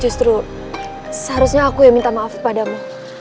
justru seharusnya aku yang minta maaf kepadamu